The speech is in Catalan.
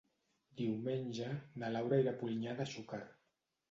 Diumenge na Laura irà a Polinyà de Xúquer.